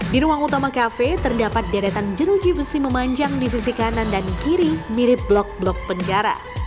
di ruang utama kafe terdapat deretan jeruji besi memanjang di sisi kanan dan kiri mirip blok blok penjara